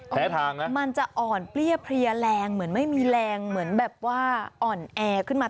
ก็เพลียแรงเหมือนไม่มีแรงเหมือนแบบว่าอ่อนแอขึ้นมา